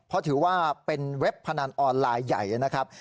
เพราะถือว่าเป็นเว็บพนันออนไลน์ใหญ่นะครับ